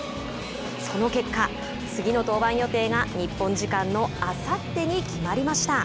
その結果、次の登板予定が日本時間のあさってに決まりました。